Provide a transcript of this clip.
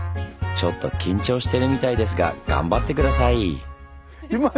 ちょっと緊張してるみたいですが頑張って下さい！